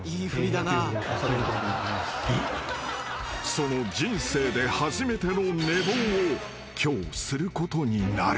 ［その人生で初めての寝坊を今日することになる］